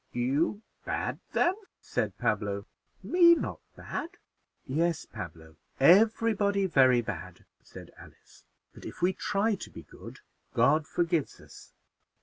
"You bad then?" said Pablo; "me not bad." "Yes, Pablo, every body very bad," said Alice; "but if we try to be good, God forgives us."